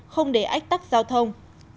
không để ách tắt giao thông